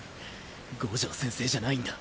五条先生じゃないんだ。